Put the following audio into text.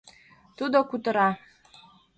Тудо кутыра!